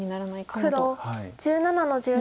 黒１７の十七。